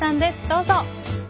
どうぞ。